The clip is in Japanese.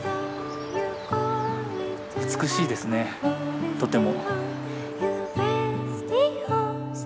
美しいですねとても。